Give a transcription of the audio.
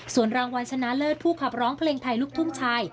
ส่วนรางวัลชนะเลิศผู้ขับร้องเพลงไทยลูกทุ่งชาย